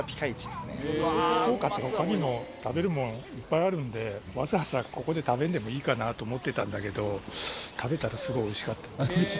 福岡ってほかにも食べ物、たくさんあるんで、わざわざここで食べんでもいいかなと思ってたんだけど、食べたらすごいおいしかった。